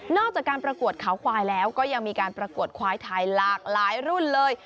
อกจากการประกวดขาวควายแล้วก็ยังมีการประกวดควายไทยหลากหลายรุ่นเลย